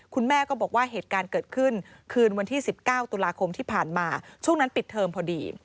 คุณแม่ก็บอกว่าเหตุการณ์เกิดขึ้นคืนวันที่๑๙ตุลาคมที่ผ่านมาช่วงนั้นปิดเทอมพอดี